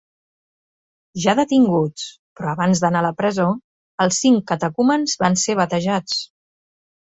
Ja detinguts, però abans d'anar a la presó, els cinc catecúmens van ser batejats.